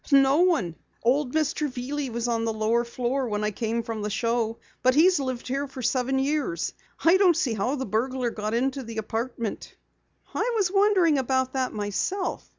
"No one. Old Mr. Veely was on the lower floor when I came from the show, but he's lived here for seven years. I don't see how the burglar got into the apartment." "I was wondering about that myself.